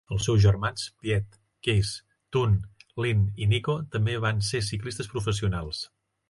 Els seus germans Piet, Kees, Toon, Leen i Nico també van ser ciclistes professionals.